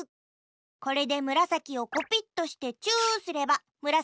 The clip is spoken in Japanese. これでむらさきをコピットしてチューすればむらさきになれますよ。